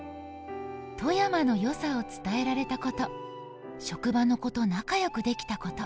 富山の良さを伝えられたこと、職場の子と仲良くできたこと」。